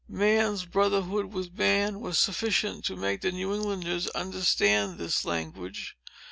Man's brotherhood with man was sufficient to make the New Englanders understand this language.